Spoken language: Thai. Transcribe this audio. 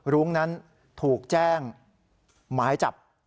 รุ้งนั้นถูกแจ้งหมายจับ